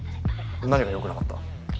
何が良くなかった？